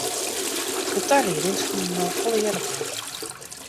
De tariedings fûnen al folle earder plak.